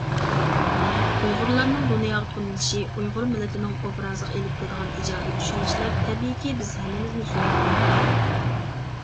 ئۇيغۇرلارنىڭ دۇنياغا تونۇلۇشى ئۇيغۇر مىللىتىنىڭ ئوبرازىغا ئېلىپ كېلىدىغان ئىجابىي چۈشەنچىلەر تەبىئىيكى بىز ھەممىمىزنى سۆيۈندۈرىدۇ.